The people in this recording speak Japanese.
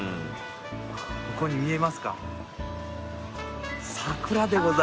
ここに見えますか？